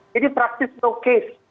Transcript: jadi praktis untuk kes